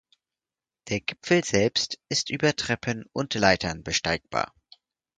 Der Gipfel selbst ist über Treppen und Leitern besteigbar.